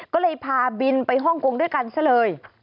ก็เลยพาบินไปฮ่องกงด้วยกันซะเลย